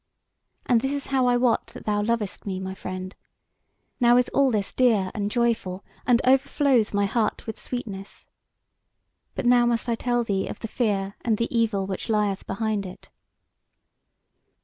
And this is how I wot that thou lovest me, my friend. Now is all this dear and joyful, and overflows my heart with sweetness. But now must I tell thee of the fear and the evil which lieth behind it."